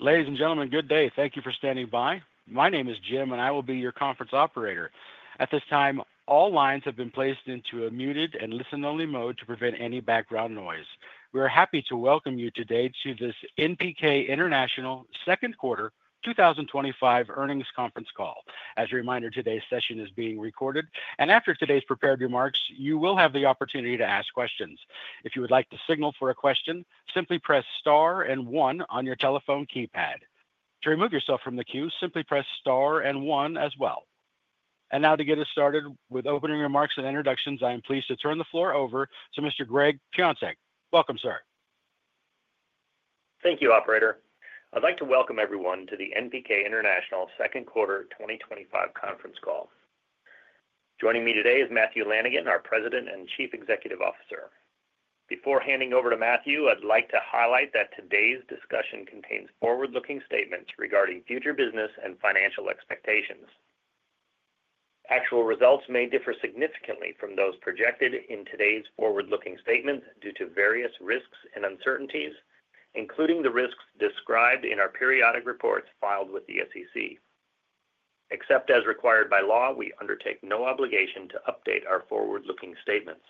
Ladies and gentlemen, good day. Thank you for standing by. My name is Jim, and I will be your conference operator. At this time, all lines have been placed into a muted and listen-only mode to prevent any background noise. We are happy to welcome you today to this NPK International second quarter 2025 earnings conference call. As a reminder, today's session is being recorded, and after today's prepared remarks, you will have the opportunity to ask questions. If you would like to signal for a question, simply press star and one on your telephone keypad. To remove yourself from the queue, simply press star and one as well. Now, to get us started with opening remarks and introductions, I am pleased to turn the floor over to Mr. Gregg Piontek. Welcome, sir. Thank you, Operator. I'd like to welcome everyone to the NPK International, second quarter, 2025 conference call. Joining me today is Matthew Lanigan, our President and Chief Executive Officer. Before handing over to Matthew, I'd like to highlight that today's discussion contains forward-looking statements regarding future business and financial expectations. Actual results may differ significantly from those projected in today's forward-looking statements due to various risks and uncertainties, including the risks described in our periodic reports filed with the SEC. Except as required by law, we undertake no obligation to update our forward-looking statements.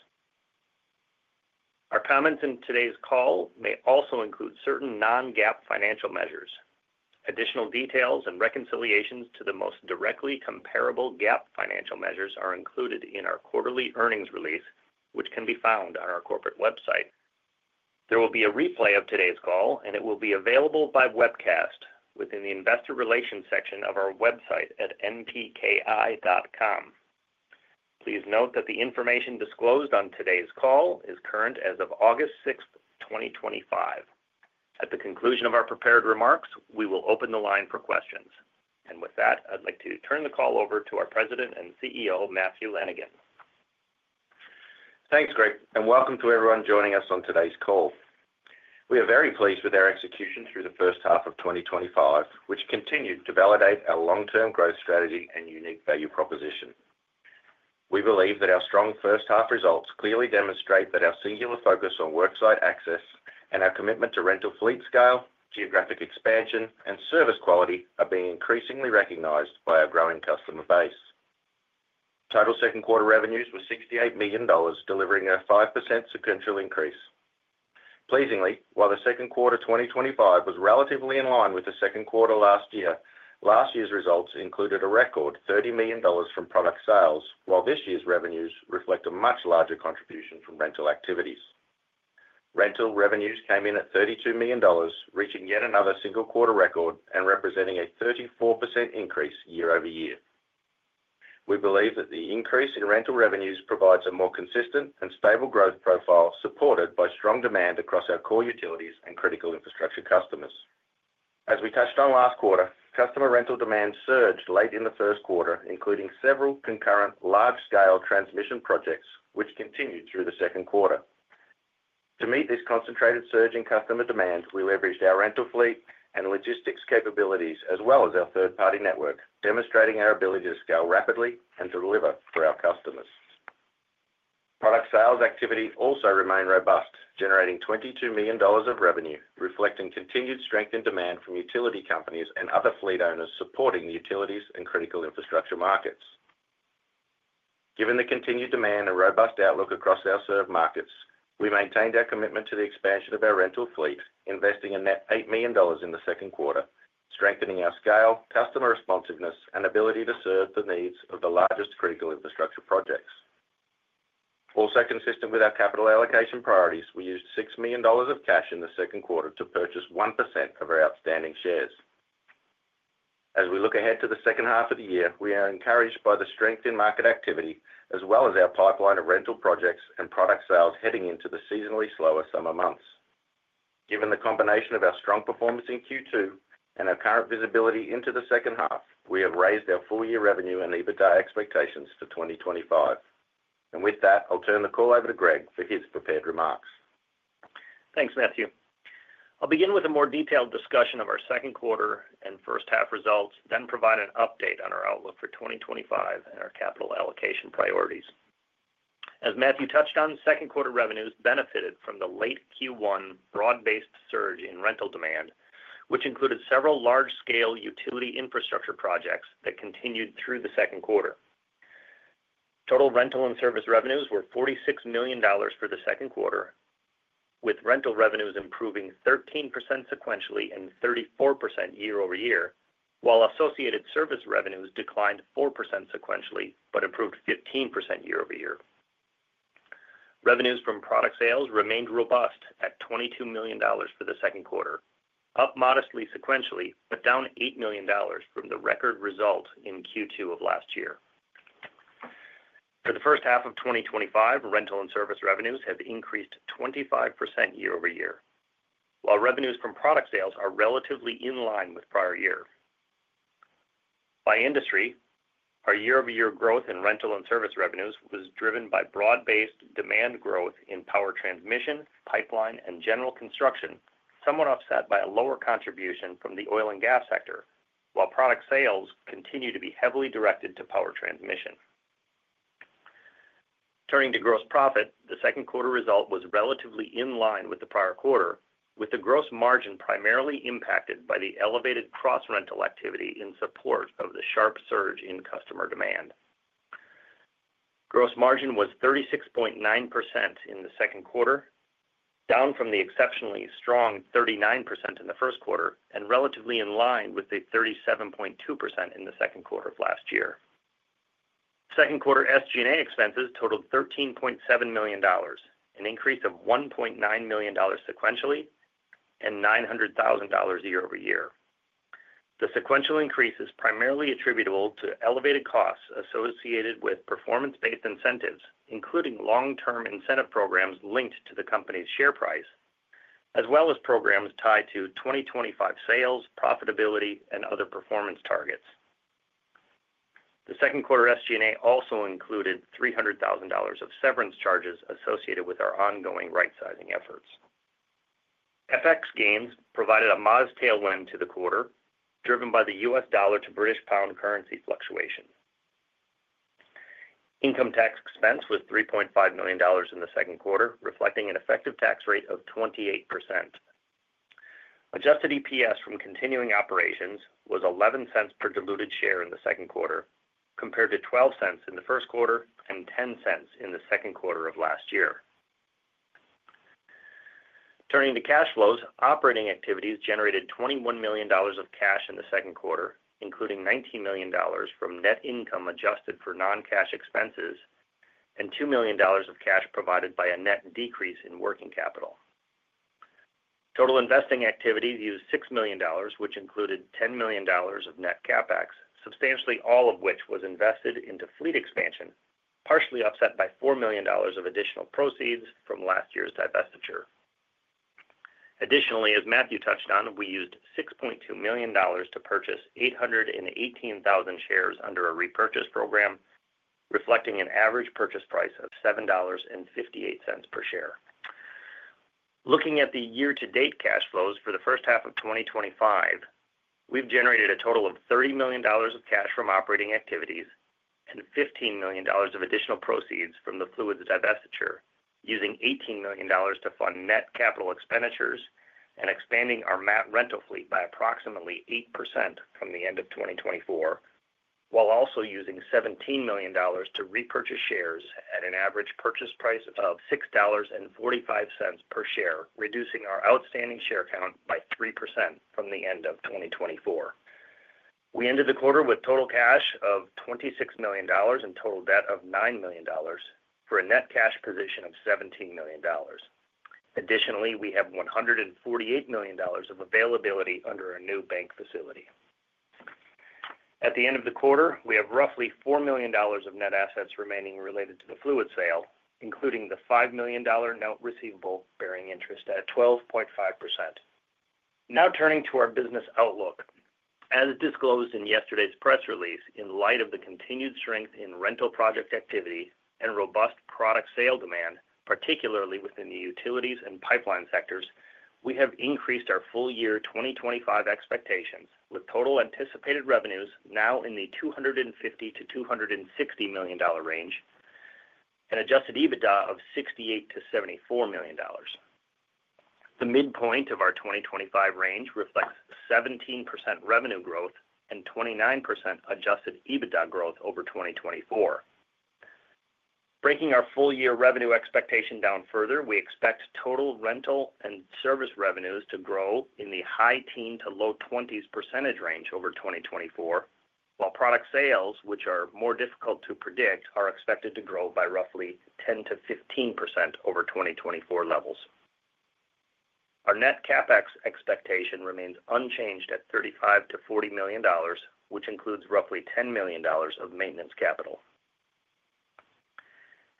Our comments in today's call may also include certain non-GAAP financial measures. Additional details and reconciliations to the most directly comparable GAAP financial measures are included in our quarterly earnings release, which can be found on our corporate website. There will be a replay of today's call, and it will be available by webcast within the Investor Relations section of our website at npki.com. Please note that the information disclosed on today's call is current as of August 6, 2025. At the conclusion of our prepared remarks, we will open the line for questions. With that, I'd like to turn the call over to our President and CEO, Matthew Lanigan. Thanks, Gregg, and welcome to everyone joining us on today's call. We are very pleased with our execution through the first half of 2025, which continued to validate our long-term growth strategy and unique value proposition. We believe that our strong first-half results clearly demonstrate that our singular focus on worksite access and our commitment to rental fleet scale, geographic expansion, and service quality are being increasingly recognized by our growing customer base. Total second quarter revenues were $68 million, delivering a 5% sequential increase. Pleasingly, while the second quarter 2025 was relatively in line with the second quarter last year, last year's results included a record $30 million from product sales, while this year's revenues reflect a much larger contribution from rental activities. Rental revenues came in at $32 million, reaching yet another single quarter record and representing a 34% increase year-over-year. We believe that the increase in rental revenues provides a more consistent and stable growth profile supported by strong demand across our core utilities and critical infrastructure customers. As we touched on last quarter, customer rental demand surged late in the first quarter, including several concurrent large-scale transmission projects, which continued through the second quarter. To meet this concentrated surge in customer demand, we leveraged our rental fleet and logistics capabilities, as well as our third-party network, demonstrating our ability to scale rapidly and to deliver for our customers. Product sales activity also remained robust, generating $22 million of revenue, reflecting continued strength in demand from utility companies and other fleet owners supporting the utilities and critical infrastructure markets. Given the continued demand and robust outlook across our served markets, we maintained our commitment to the expansion of our rental fleet, investing a net $8 million in the second quarter, strengthening our scale, customer responsiveness, and ability to serve the needs of the largest critical infrastructure projects. Also consistent with our capital allocation priorities, we used $6 million of cash in the second quarter to purchase 1% of our outstanding shares. As we look ahead to the second half of the year, we are encouraged by the strength in market activity, as well as our pipeline of rental projects and product sales heading into the seasonally slower summer months. Given the combination of our strong performance in Q2 and our current visibility into the second half, we have raised our full-year revenue and EBITDA expectations for 2025. With that, I'll turn the call over to Gregg for his prepared remarks. Thanks, Matthew. I'll begin with a more detailed discussion of our second quarter and first-half results, then provide an update on our outlook for 2025 and our capital allocation priorities. As Matthew touched on, second quarter revenues benefited from the late Q1 broad-based surge in rental demand, which included several large-scale utility infrastructure projects that continued through the second quarter. Total rental and service revenues were $46 million for the second quarter, with rental revenues improving 13% sequentially and 34% year-over-year, while associated service revenues declined 4% sequentially but improved 15% year-over-year. Revenues from product sales remained robust at $22 million for the second quarter, up modestly sequentially but down $8 million from the record result in Q2 of last year. For the first half of 2025, rental and service revenues have increased 25% year-over-year, while revenues from product sales are relatively in line with prior year. By industry, our year-over-year growth in rental and service revenues was driven by broad-based demand growth in power transmission, pipeline, and general construction, somewhat offset by a lower contribution from the oil and gas sector, while product sales continue to be heavily directed to power transmission. Turning to gross profit, the second quarter result was relatively in line with the prior quarter, with the gross margin primarily impacted by the elevated cross-rental activity in support of the sharp surge in customer demand. Gross margin was 36.9% in the second quarter, down from the exceptionally strong 39% in the first quarter, and relatively in line with the 37.2% in the second quarter of last year. Second quarter SG&A expenses totaled $13.7 million, an increase of $1.9 million sequentially, and $900,000 year-over-year. The sequential increase is primarily attributable to elevated costs associated with performance-based incentives, including long-term incentive programs linked to the company's share price, as well as programs tied to 2025 sales, profitability, and other performance targets. The second quarter SG&A also included $300,000 of severance charges associated with our ongoing rightsizing efforts. FX gains provided a mild tailwind to the quarter, driven by the U.S. dollar to British pound currency fluctuation. Income tax expense was $3.5 million in the second quarter, reflecting an effective tax rate of 28%. Adjusted EPS from continuing operations was $0.11 per diluted share in the second quarter, compared to $0.12 in the first quarter and $0.10 in the second quarter of last year. Turning to cash flows, operating activities generated $21 million of cash in the second quarter, including $19 million from net income adjusted for non-cash expenses and $2 million of cash provided by a net decrease in working capital. Total investing activities used $6 million, which included $10 million of net CapEx, substantially all of which was invested into fleet expansion, partially offset by $4 million of additional proceeds from last year's divestiture. Additionally, as Matthew Lanigan touched on, we used $6.2 million to purchase 818,000 shares under a repurchase program, reflecting an average purchase price of $7.58 per share. Looking at the year-to-date cash flows for the first half of 2025, we've generated a total of $30 million of cash from operating activities and $15 million of additional proceeds from the fluids divestiture, using $18 million to fund net capital expenditures and expanding our MAT rental fleet by approximately 8% from the end of 2024, while also using $17 million to repurchase shares at an average purchase price of $6.45 per share, reducing our outstanding share count by 3% from the end of 2024. We ended the quarter with total cash of $26 million and total debt of $9 million, for a net cash position of $17 million. Additionally, we have $148 million of availability under a new bank facility. At the end of the quarter, we have roughly $4 million of net assets remaining related to the fluid sale, including the $5 million note receivable bearing interest at 12.5%. Now turning to our business outlook. As disclosed in yesterday's press release, in light of the continued strength in rental project activity and robust product sale demand, particularly within the utilities and pipeline sectors, we have increased our full-year 2025 expectations, with total anticipated revenues now in the $250 million-$260 million range and adjusted EBITDA of $68 million-$74 million. The midpoint of our 2025 range reflects 17% revenue growth and 29% adjusted EBITDA growth over 2024. Breaking our full-year revenue expectation down further, we expect total rental and service revenues to grow in the high teen to low twenties percentage range over 2024, while product sales, which are more difficult to predict, are expected to grow by roughly 10%-15% over 2024 levels. Our net CapEx expectation remains unchanged at $35 million-$40 million, which includes roughly $10 million of maintenance capital.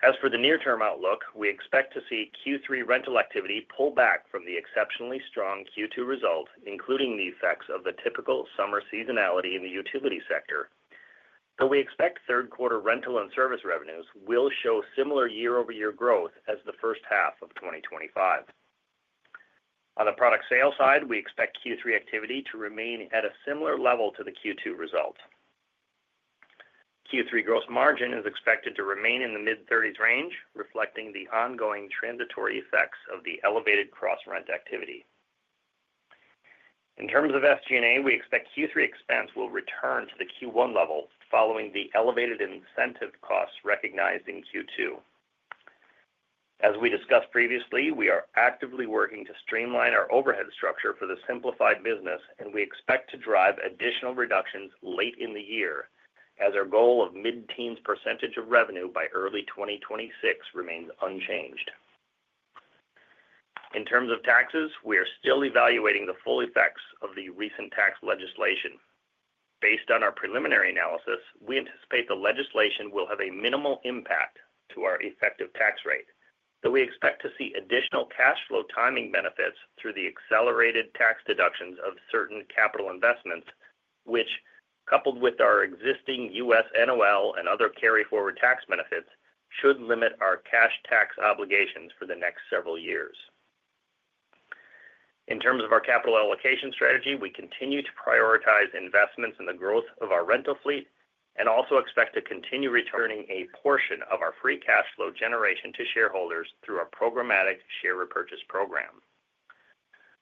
As for the near-term outlook, we expect to see Q3 rental activity pull back from the exceptionally strong Q2 result, including the effects of the typical summer seasonality in the utility sector. Though we expect third quarter rental and service revenues will show similar year-over-year growth as the first half of 2025. On the product sales side, we expect Q3 activity to remain at a similar level to the Q2 result. Q3 gross margin is expected to remain in the mid-30% range, reflecting the ongoing transitory effects of the elevated cross-rent activity. In terms of SG&A, we expect Q3 expense will return to the Q1 level following the elevated incentive costs recognized in Q2. As we discussed previously, we are actively working to streamline our overhead structure for the simplified business, and we expect to drive additional reductions late in the year, as our goal of mid-teens percentage of revenue by early 2026 remains unchanged. In terms of taxes, we are still evaluating the full effects of the recent tax legislation. Based on our preliminary analysis, we anticipate the legislation will have a minimal impact to our effective tax rate, though we expect to see additional cash flow timing benefits through the accelerated tax deductions of certain capital investments, which, coupled with our existing U.S. NOL and other carryforward tax benefits, should limit our cash tax obligations for the next several years. In terms of our capital allocation strategy, we continue to prioritize investments in the growth of our rental fleet and also expect to continue returning a portion of our free cash flow generation to shareholders through our programmatic share repurchase program.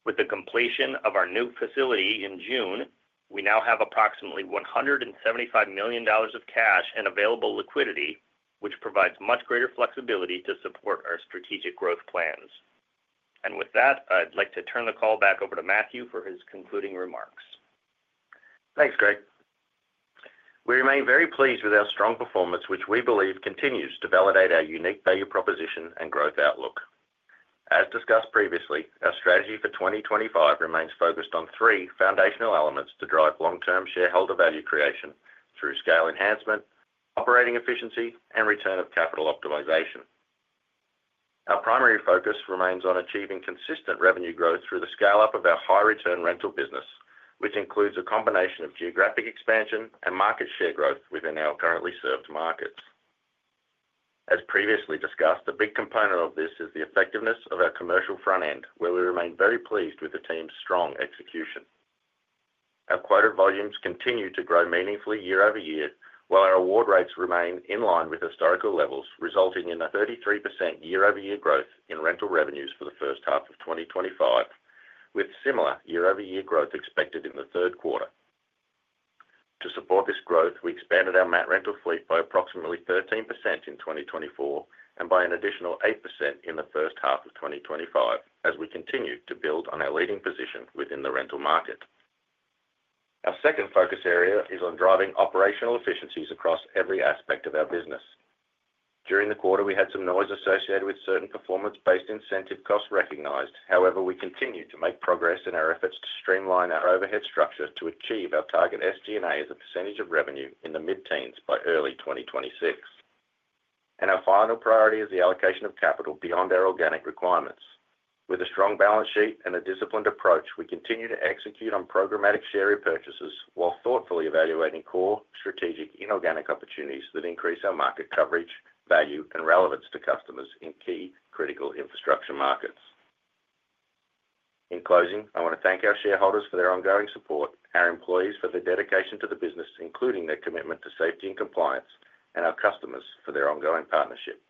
With the completion of our new facility in June, we now have approximately $175 million of cash and available liquidity, which provides much greater flexibility to support our strategic growth plans. I'd like to turn the call back over to Matthew for his concluding remarks. Thanks, Gregg. We remain very pleased with our strong performance, which we believe continues to validate our unique value proposition and growth outlook. As discussed previously, our strategy for 2025 remains focused on three foundational elements to drive long-term shareholder value creation through scale enhancement, operating efficiency, and return of capital optimization. Our primary focus remains on achieving consistent revenue growth through the scale-up of our high-return rental business, which includes a combination of geographic expansion and market share growth within our currently served markets. As previously discussed, a big component of this is the effectiveness of our commercial front end, where we remain very pleased with the team's strong execution. Our quoted volumes continue to grow meaningfully year-over-year, while our award rates remain in line with historical levels, resulting in a 33% year-over-year growth in rental revenues for the first half of 2025, with similar year-over-year growth expected in the third quarter. To support this growth, we expanded our MAT rental fleet by approximately 13% in 2024 and by an additional 8% in the first half of 2025, as we continue to build on our leading position within the rental market. Our second focus area is on driving operational efficiencies across every aspect of our business. During the quarter, we had some noise associated with certain performance-based incentive costs recognized. However, we continue to make progress in our efforts to streamline our overhead structure to achieve our target SG&A as a percentage of revenue in the mid-teens by early 2026. Our final priority is the allocation of capital beyond our organic requirements. With a strong balance sheet and a disciplined approach, we continue to execute on programmatic share repurchases while thoughtfully evaluating core strategic inorganic opportunities that increase our market coverage, value, and relevance to customers in key critical infrastructure markets. In closing, I want to thank our shareholders for their ongoing support, our employees for their dedication to the business, including their commitment to safety and compliance, and our customers for their ongoing partnership.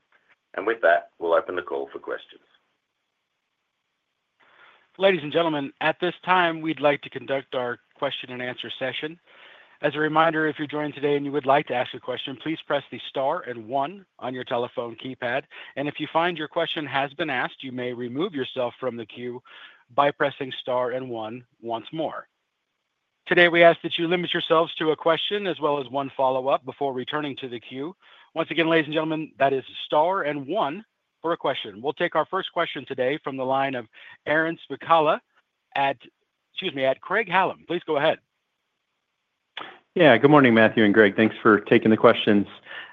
With that, we'll open the call for questions. Ladies and gentlemen, at this time, we'd like to conduct our question-and-answer session. As a reminder, if you're joined today and you would like to ask a question, please press the star and one on your telephone keypad. If you find your question has been asked, you may remove yourself from the queue by pressing star and one once more. Today, we ask that you limit yourselves to a question as well as one follow-up before returning to the queue. Once again, ladies and gentlemen, that is star and one for a question. We'll take our first question today from the line of Aaron Spychalla at Craig-Hallum. Please go ahead. Good morning, Matthew and Gregg. Thanks for taking the questions.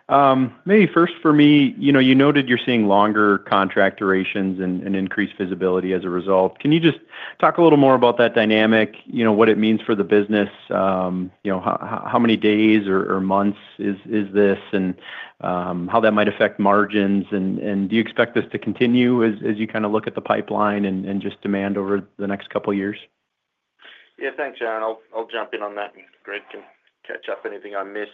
Maybe first for me, you noted you're seeing longer contract durations and increased visibility as a result. Can you just talk a little more about that dynamic, what it means for the business, how many days or months this is, and how that might affect margins? Do you expect this to continue as you look at the pipeline and demand over the next couple of years? Yeah, thanks, Aaron. I'll jump in on that and Gregg can catch up anything I miss.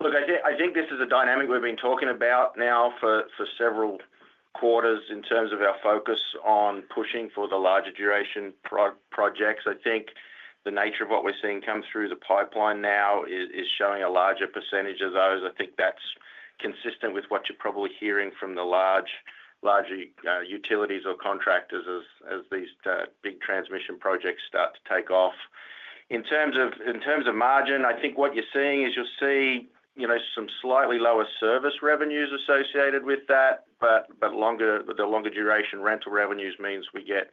Look, I think this is a dynamic we've been talking about now for several quarters in terms of our focus on pushing for the larger duration projects. I think the nature of what we're seeing come through the pipeline now is showing a larger percentage of those. I think that's consistent with what you're probably hearing from the large, larger utilities or contractors as these big transmission projects start to take off. In terms of margin, I think what you're seeing is you'll see some slightly lower service revenues associated with that, but the longer duration rental revenues means we get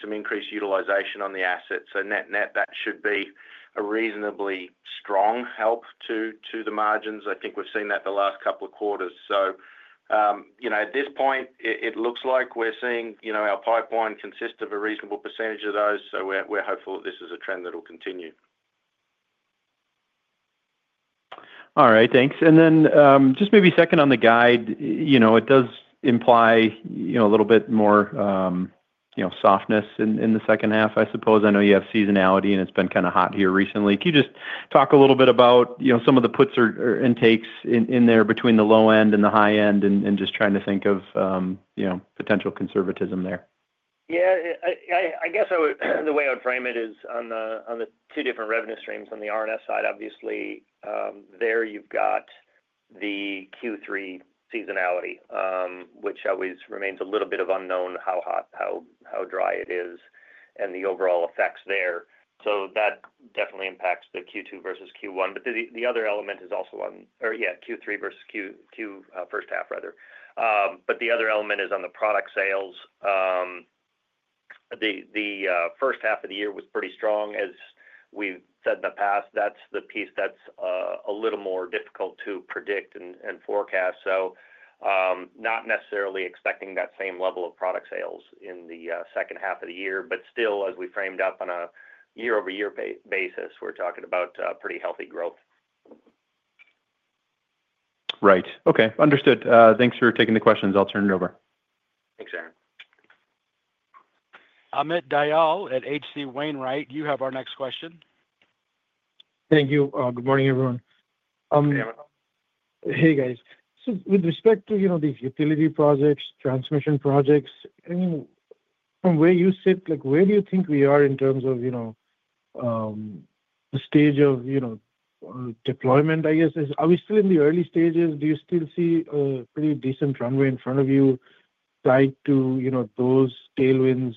some increased utilization on the assets. Net net, that should be a reasonably strong help to the margins. I think we've seen that the last couple of quarters. At this point, it looks like we're seeing our pipeline consists of a reasonable percentage of those. We're hopeful that this is a trend that will continue. All right, thanks. Maybe a second on the guide, it does imply a little bit more softness in the second half, I suppose. I know you have seasonality and it's been kind of hot here recently. Can you just talk a little bit about some of the puts or intakes in there between the low end and the high end and just trying to think of potential conservatism there? Yeah, I guess the way I would frame it is on the two different revenue streams on the R&S side, obviously, there you've got the Q3 seasonality, which always remains a little bit of unknown, how hot, how dry it is, and the overall effects there. That definitely impacts the Q2 versus Q1. The other element is also on, or Q3 versus Q2, first half, rather. The other element is on the product sales. The first half of the year was pretty strong. As we've said in the past, that's the piece that's a little more difficult to predict and forecast. Not necessarily expecting that same level of product sales in the second half of the year, but still, as we framed up on a year-over-year basis, we're talking about pretty healthy growth. Right. Okay, understood. Thanks for taking the questions. I'll turn it over. Thanks, Aaron. Amit Dayal at H.C. Wainwright, you have our next question. Thank you. Good morning, everyone. With respect to these utility projects, transmission projects, from where you sit, where do you think we are in terms of the stage of deployment? Are we still in the early stages? Do you still see a pretty decent runway in front of you, those tailwinds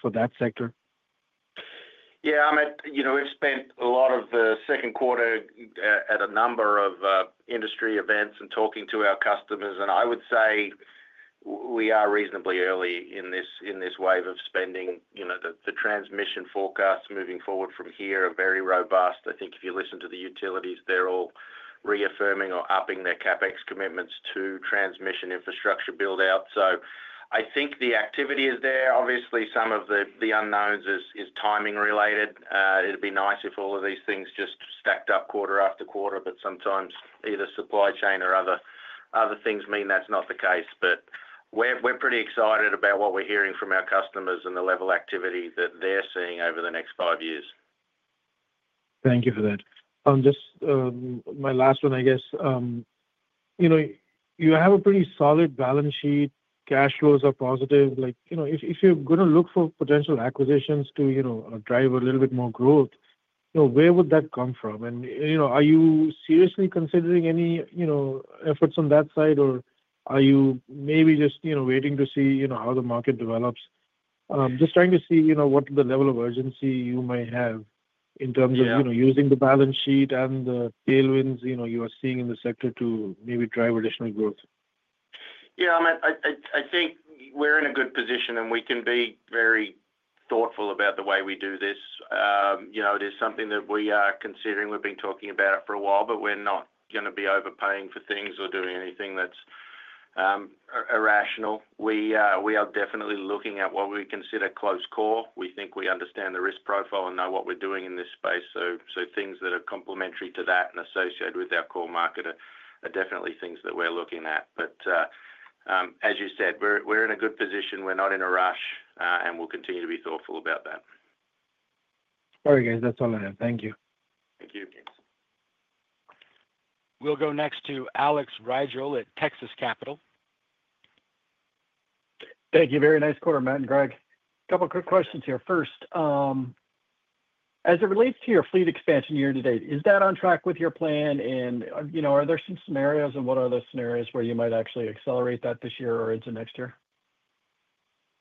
for that sector? Yeah, Amit, you know, we've spent a lot of the second quarter at a number of industry events and talking to our customers. I would say we are reasonably early in this wave of spending. The transmission forecasts moving forward from here are very robust. I think if you listen to the utilities, they're all reaffirming or upping their CapEx commitments to transmission infrastructure buildout. I think the activity is there. Obviously, some of the unknowns are timing related. It'd be nice if all of these things just stacked up quarter after quarter, but sometimes either supply chain or other things mean that's not the case. We're pretty excited about what we're hearing from our customers and the level of activity that they're seeing over the next five years. Thank you for that. Just my last one, I guess. You have a pretty solid balance sheet. Cash flows are positive. If you're going to look for potential acquisitions to drive a little bit more growth, where would that come from? Are you seriously considering any efforts on that side or are you maybe just waiting to see how the market develops? Just trying to see what the level of urgency you might have in terms of using the balance sheet and the tailwinds you are seeing in the sector to maybe drive additional growth. Yeah, Amit, I think we're in a good position and we can be very thoughtful about the way we do this. It is something that we are considering. We've been talking about it for a while, but we're not going to be overpaying for things or doing anything that's irrational. We are definitely looking at what we consider close core. We think we understand the risk profile and know what we're doing in this space. Things that are complementary to that and associated with our core market are definitely things that we're looking at. As you said, we're in a good position. We're not in a rush and we'll continue to be thoughtful about that. All right, guys, that's all I have. Thank you. Thank you. We'll go next to Alex Rigel at Texas Capital. Thank you. Very nice quarter, Matt and Gregg. A couple of quick questions here. First, as it relates to your fleet expansion year to date, is that on track with your plan? You know, are there some scenarios, and what are those scenarios, where you might actually accelerate that this year or into next year?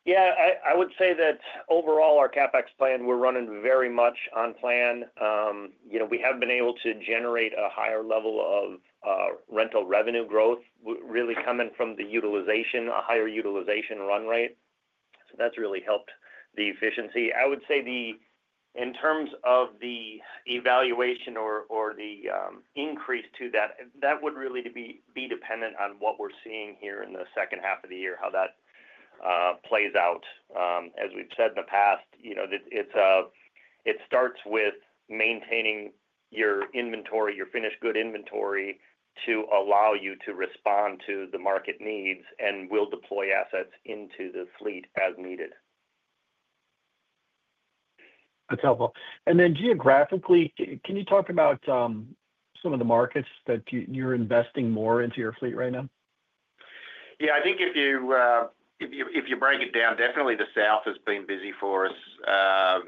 Yeah, I would say that overall our CapEx plan, we're running very much on plan. We have been able to generate a higher level of rental revenue growth really coming from the utilization, a higher utilization run rate. That's really helped the efficiency. I would say in terms of the evaluation or the increase to that, that would really be dependent on what we're seeing here in the second half of the year, how that plays out. As we've said in the past, it starts with maintaining your inventory, your finished good inventory to allow you to respond to the market needs and will deploy assets into the fleet as needed. That's helpful. Geographically, can you talk about some of the markets that you're investing more into your fleet right now? Yeah, I think if you break it down, definitely the South has been busy for us.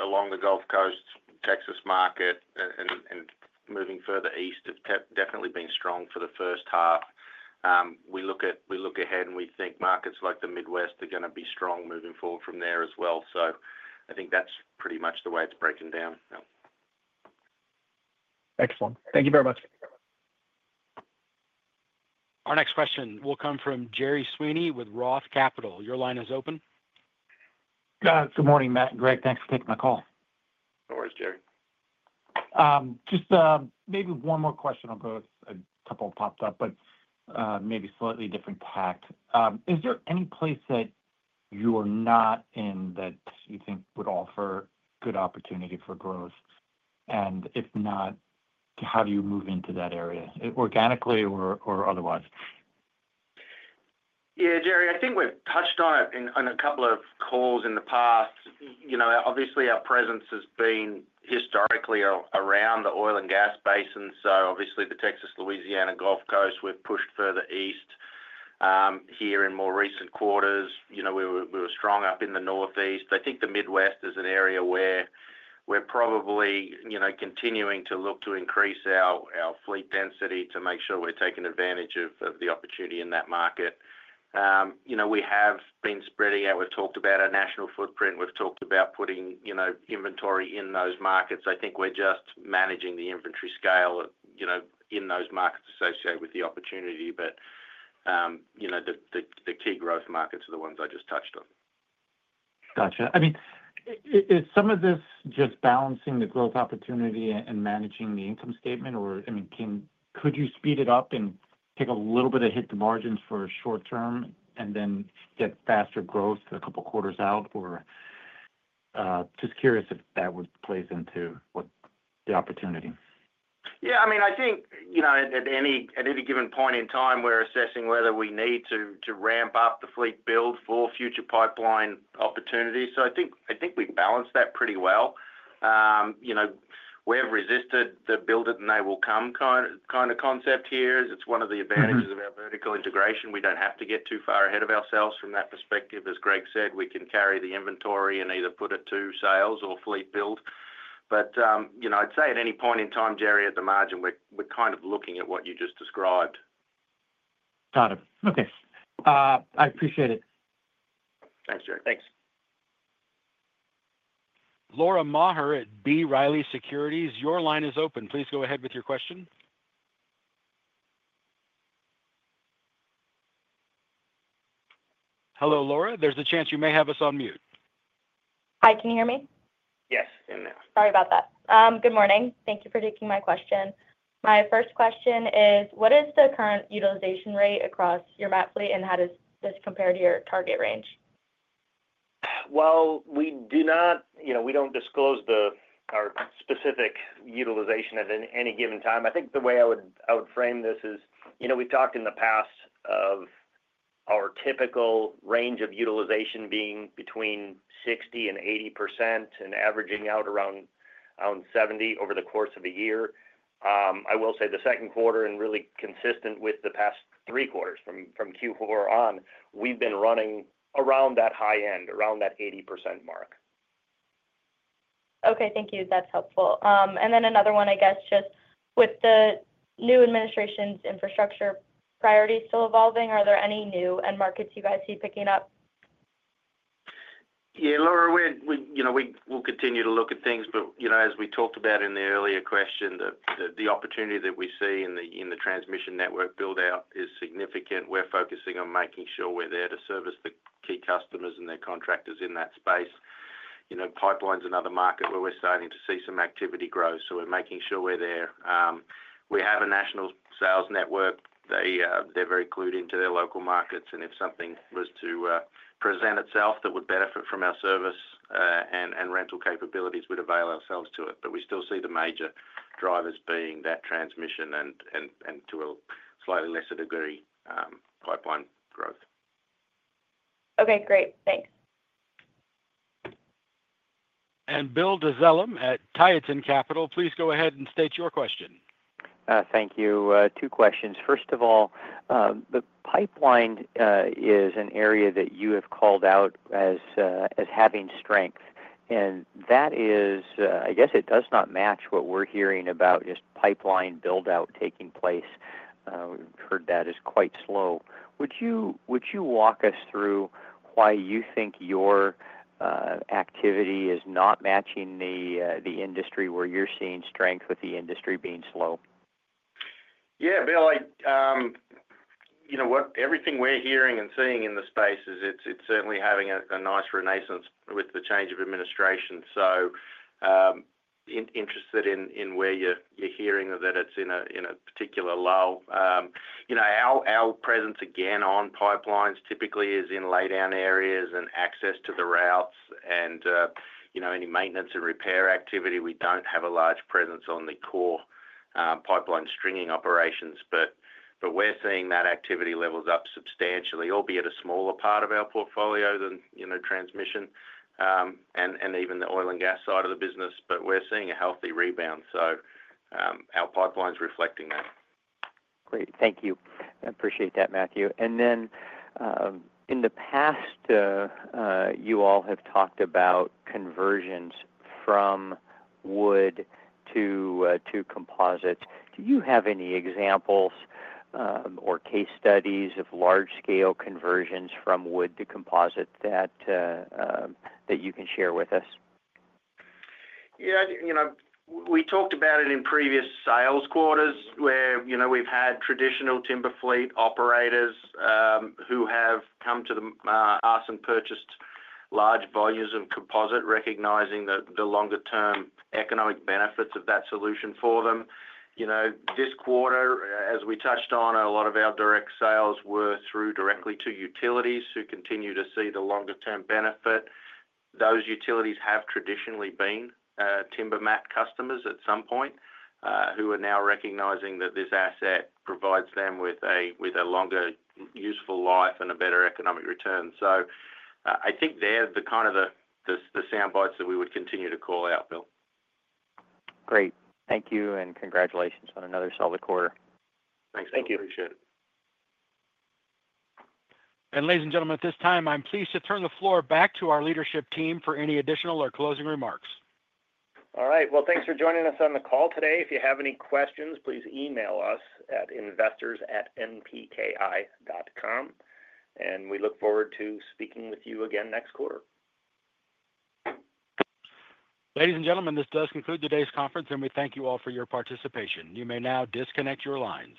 Along the Gulf Coast, Texas market and moving further east have definitely been strong for the first half. We look ahead and we think markets like the Midwest are going to be strong moving forward from there as well. I think that's pretty much the way it's breaking down. Excellent. Thank you very much. Our next question will come from Gerry Sweeney with ROTH Capital. Your line is open. Good morning, Matt and Gregg. Thanks for taking my call. No worries, Gerry. Just maybe one more question on growth. A couple popped up, maybe slightly different tact. Is there any place that you are not in that you think would offer good opportunity for growth? If not, how do you move into that area, organically or otherwise? Yeah, Gerry, I think we've touched on it in a couple of calls in the past. Obviously, our presence has been historically around the oil and gas basins. Obviously, the Texas, Louisiana Gulf Coast, we've pushed further east. In more recent quarters, we were strong up in the Northeast. I think the Midwest is an area where we're probably continuing to look to increase our fleet density to make sure we're taking advantage of the opportunity in that market. We have been spreading out. We've talked about our national footprint. We've talked about putting inventory in those markets. I think we're just managing the inventory scale in those markets associated with the opportunity. The key growth markets are the ones I just touched on. Gotcha. I mean, is some of this just balancing the growth opportunity and managing the income statement? Could you speed it up and take a little bit of hit to margins for a short term and then get faster growth for a couple of quarters out? Just curious if that would play into what the opportunity is. Yeah, I mean, I think at any given point in time, we're assessing whether we need to ramp up the fleet build for future pipeline opportunities. I think we've balanced that pretty well. We've resisted the build it and they will come kind of concept here. It's one of the advantages of our vertical integration. We don't have to get too far ahead of ourselves from that perspective. As Gregg said, we can carry the inventory and either put it to sales or fleet build. I'd say at any point in time, Gerry, at the margin, we're kind of looking at what you just described. Got it. Okay, I appreciate it. Thanks, Jerry. Thanks. Laura Maher at B. Riley Securities, your line is open. Please go ahead with your question. Hello, Laura. There's a chance you may have us on mute. Hi, can you hear me? Yes, I can now. Good morning. Thank you for taking my question. My first question is, what is the current utilization rate across your MAT rental fleet and how does this compare to your target range? We do not disclose our specific utilization at any given time. I think the way I would frame this is, we've talked in the past of our typical range of utilization being between 60% and 80% and averaging out around 70% over the course of a year. I will say the second quarter, and really consistent with the past three quarters from Q4 on, we've been running around that high end, around that 80% mark. Okay, thank you. That's helpful. Another one, I guess, just with the new administration's infrastructure priorities still evolving, are there any new end markets you guys see picking up? Yeah, Laura, you know, we'll continue to look at things, but as we talked about in the earlier question, the opportunity that we see in the transmission network buildout is significant. We're focusing on making sure we're there to service the key customers and their contractors in that space. Pipeline's another market where we're starting to see some activity grow, so we're making sure we're there. We have a national sales network. They're very clued into their local markets, and if something was to present itself that would benefit from our service and rental capabilities, we'd avail ourselves to it. We still see the major drivers being that transmission and, to a slightly lesser degree, pipeline growth. Okay, great. Thanks. Bill Dezellem at Tieton Capital. Please go ahead and state your question. Thank you. Two questions. First of all, the pipeline is an area that you have called out as having strength. That is, I guess it does not match what we're hearing about just pipeline buildout taking place. We've heard that is quite slow. Would you walk us through why you think your activity is not matching the industry where you're seeing strength with the industry being slow? Yeah, Bill, everything we're hearing and seeing in the space is it's certainly having a nice renaissance with the change of administration. I'm interested in where you're hearing that it's in a particular lull. Our presence again on pipelines typically is in laydown areas and access to the routes. Any maintenance and repair activity, we don't have a large presence on the core pipeline stringing operations. We're seeing that activity levels up substantially, albeit a smaller part of our portfolio than transmission and even the oil and gas side of the business. We're seeing a healthy rebound. Our pipeline's reflecting that. Great. Thank you. I appreciate that, Matthew. In the past, you all have talked about conversions from wood to composites. Do you have any examples or case studies of large-scale conversions from wood to composite that you can share with us? Yeah, you know, we talked about it in previous sales quarters where we've had traditional timber fleet operators who have come to us and purchased large volumes of composite, recognizing the longer-term economic benefits of that solution for them. This quarter, as we touched on, a lot of our direct sales were through directly to utilities who continue to see the longer-term benefit. Those utilities have traditionally been timber MAT customers at some point, who are now recognizing that this asset provides them with a longer useful life and a better economic return. I think they're the kind of the sound bites that we would continue to call out, Bill. Great. Thank you and congratulations on another solid quarter. Thanks. Appreciate it. Ladies and gentlemen, at this time, I'm pleased to turn the floor back to our leadership team for any additional or closing remarks. All right. Thanks for joining us on the call today. If you have any questions, please email us at investors@npki.com. We look forward to speaking with you again next quarter. Ladies and gentlemen, this does conclude today's conference, and we thank you all for your participation. You may now disconnect your lines.